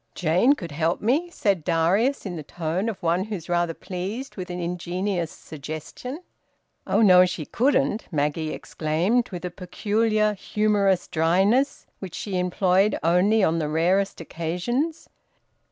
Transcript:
"Jane could help me," said Darius, in the tone of one who is rather pleased with an ingenious suggestion. "Oh no, she couldn't!" Maggie exclaimed, with a peculiar humorous dryness which she employed only on the rarest occasions.